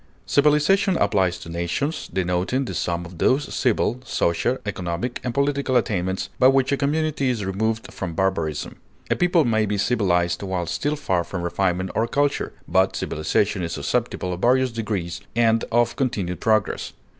Civilization applies to nations, denoting the sum of those civil, social, economic, and political attainments by which a community is removed from barbarism; a people may be civilized while still far from refinement or culture, but civilization is susceptible of various degrees and of continued progress.